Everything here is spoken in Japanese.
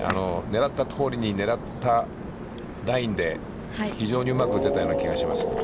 狙ったとおりに、狙ったラインで、非常にうまく打てたような気がします。